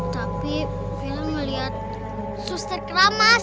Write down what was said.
tapi bella melihat suster keramas